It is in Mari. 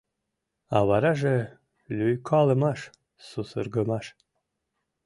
А вараже — лӱйкалымаш, сусыргымаш...